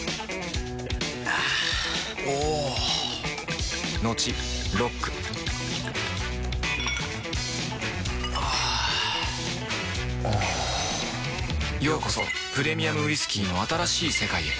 あぁおぉトクトクあぁおぉようこそプレミアムウイスキーの新しい世界へ